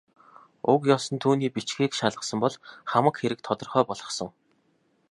Уг ёс нь түүний бичгийг шалгасан бол хамаг хэрэг тодорхой болохсон.